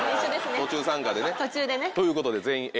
途中でね。ということで全員Ａ。